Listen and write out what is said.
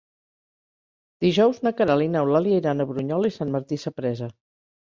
Dijous na Queralt i n'Eulàlia iran a Brunyola i Sant Martí Sapresa.